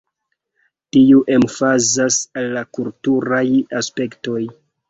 Tiu emfazas al la kulturaj aspektoj.